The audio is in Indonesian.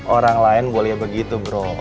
orang lain boleh begitu bro